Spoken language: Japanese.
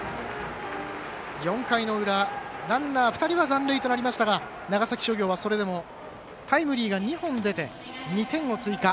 ４回の裏、ランナー２人は残塁となりましたが長崎商業はそれでもタイムリーが２本出て２点を追加。